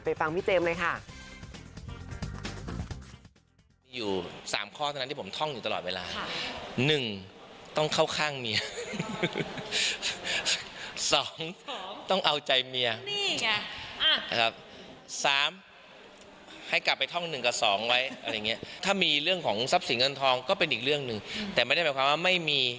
ฟังพี่เจมส์เลยค่ะ